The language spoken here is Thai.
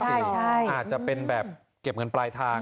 อาจจะเป็นแบบเก็บเงินปลายทาง